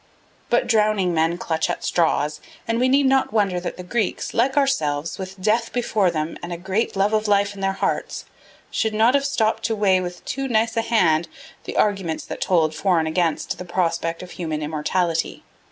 But drowning men clutch at straws, and we need not wonder that the Greeks, like ourselves, with death before them and a great love of life in their hearts, should not have stopped to weigh with too nice a hand the arguments that told for and against the prospect of human immortality.